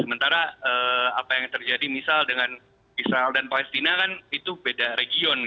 sementara apa yang terjadi misal dengan israel dan palestina kan itu beda region